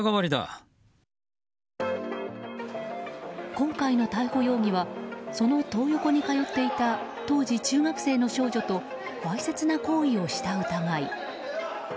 今回の逮捕容疑はそのトー横に通っていた当時、中学生の少女とわいせつな行為をした疑い。